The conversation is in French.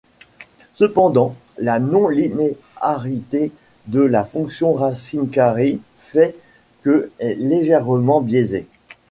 Cependant, la non linéarité de la fonction racine carrée fait que est légèrement biaisé.